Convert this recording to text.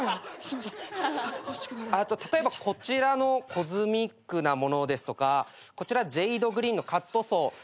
例えばこちらのコズミックなものですとかこちらジェイドグリーンのカットソー。